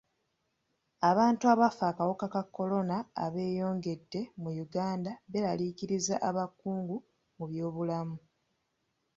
Abantu abafa akawuka ka kolona abeeyongedde mu Uganda beeraliikiriza abakungu mu byobulamu.